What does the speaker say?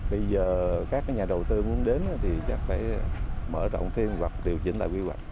bây giờ các nhà đầu tư muốn đến thì chắc phải mở rộng thêm hoặc điều chỉnh lại quy hoạch